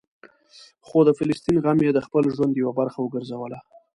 خو د فلسطین غم یې د خپل ژوند یوه برخه وګرځوله.